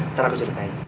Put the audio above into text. ntar aku ceritain